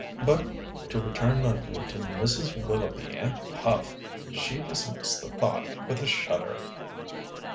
But to return nightly to Mrs. Willoughby and Puff! She dismissed the thought with a shudder.